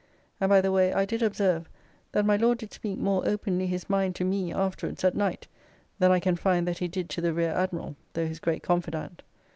And by the way I did observe that my Lord did speak more openly his mind to me afterwards at night than I can find that he did to the Rear Admiral, though his great confidant.